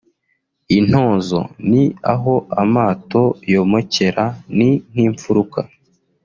(intozo) Ni aho amato yomokera ni nk’imfuruka